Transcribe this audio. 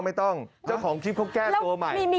ไม่ต้องเจ้าของชิปเขาแก้ตัวใหม่